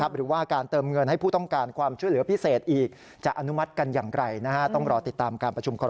หรือว่าการเติมเงินให้ผู้ต้องการความช่วยเหลือพิเศษอีก